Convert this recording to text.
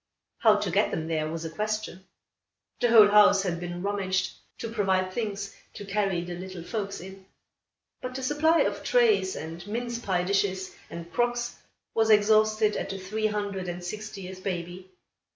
How to get them there, was a question. The whole house had been rummaged to provide things to carry the little folks in: but the supply of trays, and mince pie dishes, and crocks, was exhausted at the three hundred and sixtieth baby.